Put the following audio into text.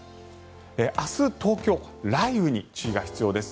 明日、東京雷雨に注意が必要です。